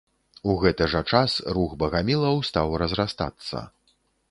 У гэты жа час рух багамілаў стаў разрастацца.